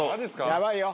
ヤバいよ！